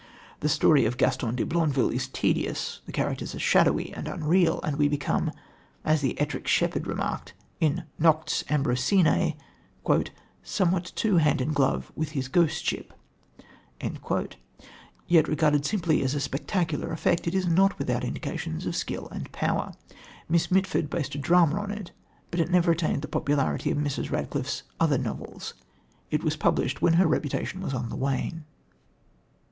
The story of Gaston de Blondeville is tedious, the characters are shadowy and unreal, and we become, as the Ettric Shepherd remarked, in Noctes Ambrosianae, "somewhat too hand and glove with his ghostship"; yet, regarded simply as a spectacular effect, it is not without indications of skill and power. Miss Mitford based a drama on it, but it never attained the popularity of Mrs. Radcliffe's other novels. It was published when her reputation was on the wane.